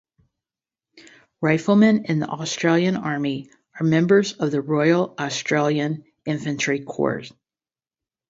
Riflemen in the Australian Army are members of the Royal Australian Infantry Corps.